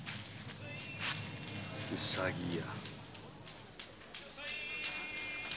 「うさぎや」。